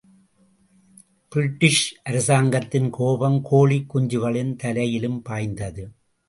British அரசாங்கத்தின் கோபம் கோழிக் குஞ்சுகளின் தலையிலும் பாய்ந்தது!